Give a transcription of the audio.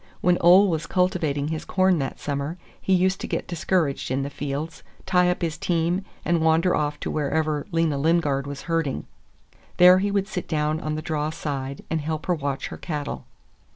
When Ole was cultivating his corn that summer, he used to get discouraged in the field, tie up his team, and wander off to wherever Lena Lingard was herding. There he would sit down on the draw side and help her watch her cattle.